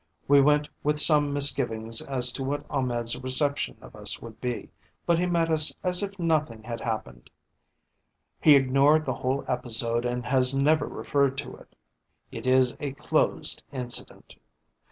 We went with some misgivings as to what Ahmed's reception of us would be, but he met us as if nothing had happened. He ignored the whole episode and has never referred to it. It is a closed incident.